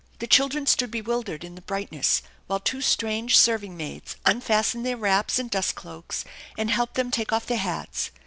The children stood bewildered in the brightness while two strange serving maids unfastened their wraps and dust cloaks and helped them take off their hats.